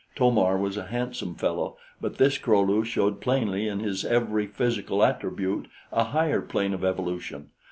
To mar was a handsome fellow; but this Kro lu showed plainly in his every physical attribute a higher plane of evolution.